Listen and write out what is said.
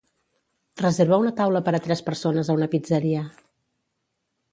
Reserva una taula per a tres persones a una pizzeria.